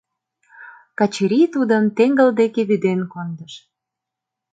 Качырий тудым теҥгыл деке вӱден кондыш.